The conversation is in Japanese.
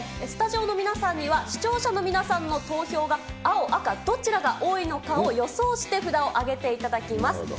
スタジオの皆さんには、視聴者の皆さんの投票が青、赤、どちらが多いのかを予想して、札を上げていただきます。